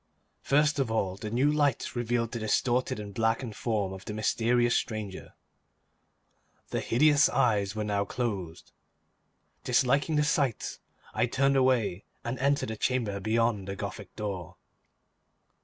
First of all, the new light revealed the distorted and blackened form of the mysterious stranger. The hideous eyes were now closed. Disliking the sight, I turned away and entered the chamber beyond the Gothic door.